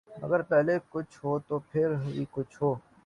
مگر پلے کچھ ہو تو پھر ہی کچھ ہو۔